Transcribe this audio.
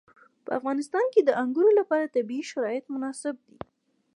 په افغانستان کې د انګور لپاره طبیعي شرایط مناسب دي.